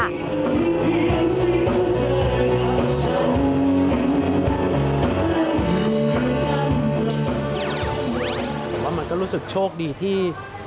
แต่ว่ามันก็รู้สึกโชคดีที่